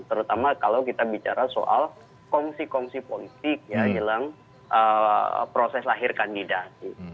terutama kalau kita bicara soal kongsi kongsi politik ya jelang proses lahir kandidat